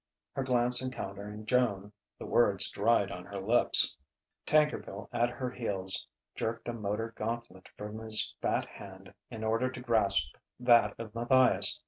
Her glance encountering Joan, the words dried on her lips. Tankerville, at her heels, jerked a motor gauntlet from his fat hand in order to grasp that of Matthias.